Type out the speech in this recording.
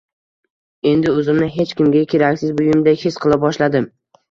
Endi o`zimni hech kimga keraksiz buyumdek his qila boshladim